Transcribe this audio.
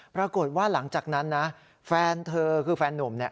ปรากฏว่าหลังจากนั้นนะแฟนเธอคือแฟนนุ่มเนี่ย